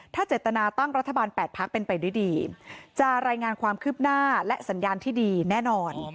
ถ้าเจตนาตั้งรัฐบาล๘พักเป็นไปด้วยดีจะรายงานความคืบหน้าและสัญญาณที่ดีแน่นอน